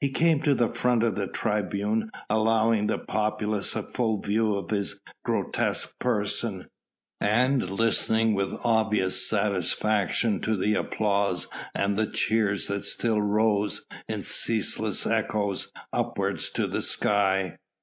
He came to the front of the tribune, allowing the populace a full view of his grotesque person, and listening with obvious satisfaction to the applause and the cheers that still rose in ceaseless echoes upwards to the sky.